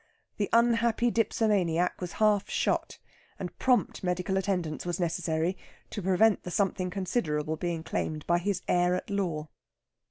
The unhappy dipsomaniac was half shot, and prompt medical attendance was necessary to prevent the something considerable being claimed by his heir at law.